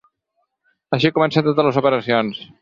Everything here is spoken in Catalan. Així comencen totes les operacions.